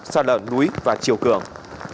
sao lợn núi và chiều cường